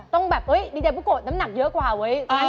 ต้องเป็นแบบน้ำหนักดีเจนปู่โกะเว้ย